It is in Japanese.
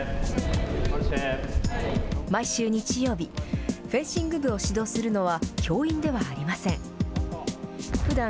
毎週日曜日、フェンシング部を指導するのは教員ではありません。